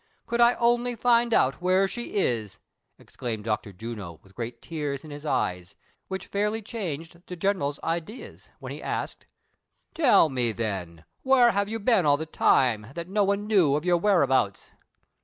could I only find out where she is I " exHaimpd Dr. Juno, with great tpnrs in his eyes, which fairly changed the general's ideas, when he asked : "Tell me, then, where have you been all the time, that no one knew of your whereabouts